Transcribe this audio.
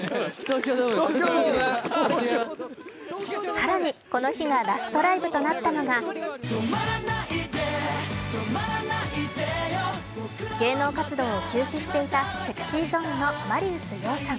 更にこの日がラストライブとなったのが芸能活動を休止していたＳｅｘｙＺｏｎｅのマリウス葉さん。